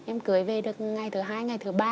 em cưới về được ngày thứ hai ngày thứ ba